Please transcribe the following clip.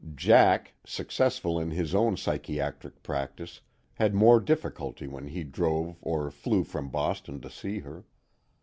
Jack, successful in his own psychiatric practice, had more difficulty when he drove or flew from Boston to see her.